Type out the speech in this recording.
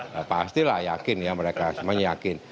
ya pastilah yakin ya mereka semuanya yakin